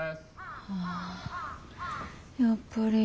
あやっぱり。